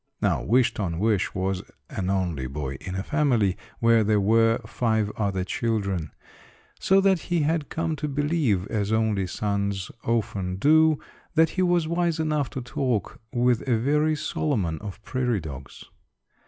Now Wish ton wish was an only boy in a family where there were five other children, so that he had come to believe, as only sons often do, that he was wise enough to talk with a very Solomon of prairie dogs.